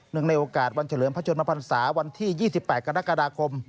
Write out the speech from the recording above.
ในโอกาสวันเฉลิมพระชนมพันศาวันที่๒๘กรกฎาคม